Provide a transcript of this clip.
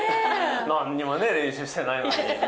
なんにもね、練習してないのに。